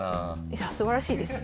いやすばらしいです。